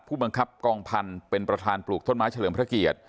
ผู้บังคับกองพันธุ์เป็นประธานปลูกต้นไม้เฉลิมพระเกียรติ